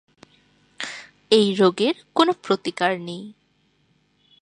এই রোগের কোনো প্রতিকার নেই।